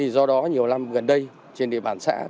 do đó nhiều năm gần đây trên địa bàn xã